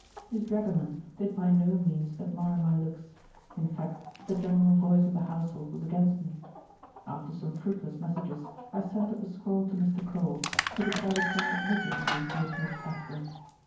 His dragoman did by no means admire my looks; in fact, the general voice of the household was against me. After some fruitless messages, I sent up a scrawl to Mr. Cole, who decided upon admitting the importunate Afghan.